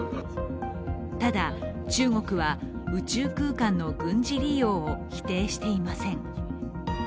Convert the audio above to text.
ただ中国は宇宙空間の軍事利用を否定していません。